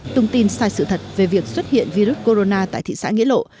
thông tin sai sự thật về việc xuất hiện virus corona tại thị xã nghĩa lộ